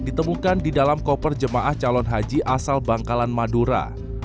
ditemukan di dalam koper jemaah calon haji asal bangkalan madura